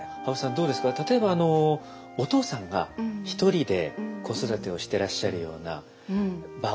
どうですか例えばあのお父さんが１人で子育てをしてらっしゃるような場合。